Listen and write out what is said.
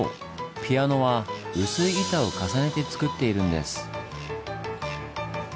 ピアノは薄い板を重ねてつくっているんです。